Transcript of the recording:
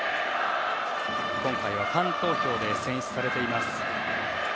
今回はファン投票で選出されています。